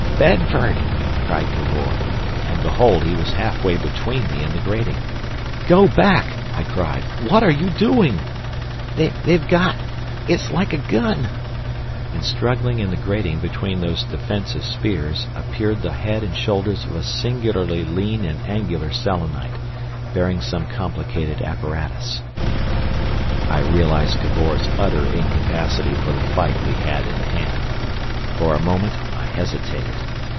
"Bedford!" cried Cavor, and behold! he was halfway between me and the grating. "Go back!" I cried. "What are you doing—" "They've got—it's like a gun!" And struggling in the grating between those defensive spears appeared the head and shoulders of a singularly lean and angular Selenite, bearing some complicated apparatus. I realised Cavor's utter incapacity for the fight we had in hand. For a moment I hesitated.